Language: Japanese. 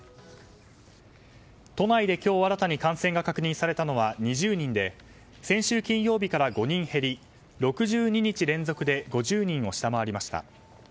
都内で今日新たに感染が確認されたのは２０人で先週金曜日から５人減り６２日連続で５０人を下回りました。